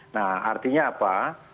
nah artinya apa